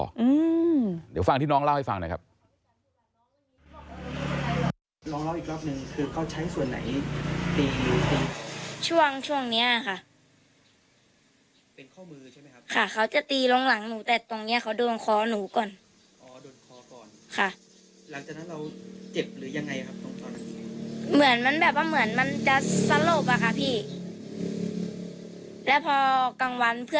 เดี๋ยวฟังที่น้องเล่าให้ฟังหน่อยครับ